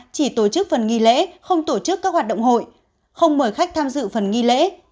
chỉ tổ chức phần nghi lễ không tổ chức các hoạt động hội không mời khách tham dự phần nghi lễ